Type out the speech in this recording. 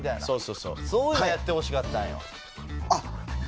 そういうのやってほしかったんよ。